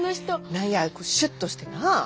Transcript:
何やシュッとしてな。